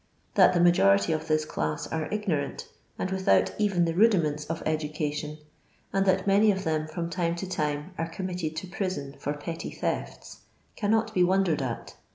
That the majority of this class are ignorant, and without even the rudiments of education, and that many of them from time to time are committed to prison for petty thefts, cannot be wondered at.